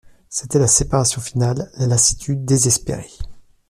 C'était la séparation finale, la lassitude désespérée.